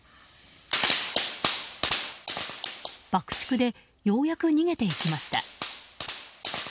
爆竹でようやく逃げていきました。